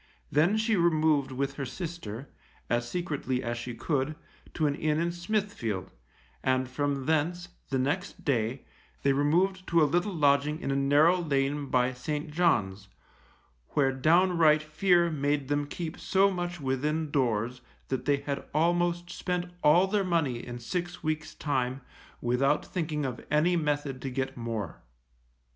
Then she removed with her sister, as secretly as she could, to an inn in Smithfield, and from thence, the next day, they removed to a little lodging in narrow lane by St. John's, where downright fear made them keep so much within doors that they had almost spent all their money in six weeks' time, without thinking of any method to get more.